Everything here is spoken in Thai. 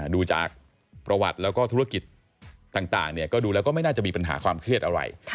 ดูจากประวัติแล้วก็ธุรกิจต่างก็ดูแล้วก็ไม่น่าจะมีปัญหาความเครียดอะไร